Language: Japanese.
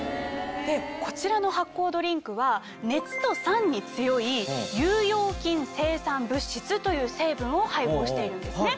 こちらの発酵ドリンクは熱と酸に強い有用菌生産物質という成分を配合しているんですね。